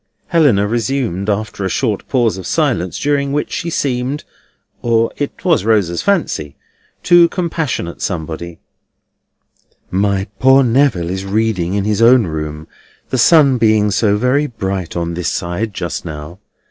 Helena resumed, after a short pause of silence, during which she seemed (or it was Rosa's fancy) to compassionate somebody: "My poor Neville is reading in his own room, the sun being so very bright on this side just now.